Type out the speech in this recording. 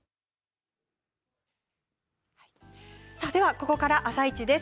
ここから「あさイチ」です。